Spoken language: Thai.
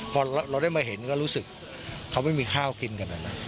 พอเราได้มาเห็นก็รู้สึกเขาไม่มีข้าวกินกันนะ